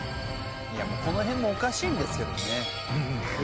「この辺もおかしいんですけどね」